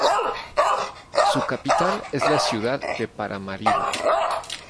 Su capital es la ciudad de Paramaribo.